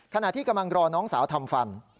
ขณะที่กำลังรอน้องสาวทำฟัน